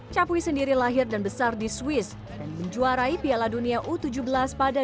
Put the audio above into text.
capuis sendiri lahir dan besar di swiss dan menjuarai piala dunia u tujuh belas pada dua ribu dua puluh